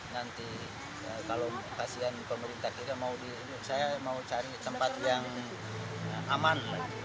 nanti kalau kasian pemerintah tidak mau saya mau cari tempat yang aman